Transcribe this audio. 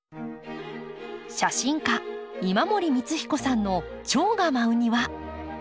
写真家今森光彦さんのチョウが舞う庭。